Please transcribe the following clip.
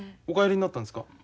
お帰りになったんですか？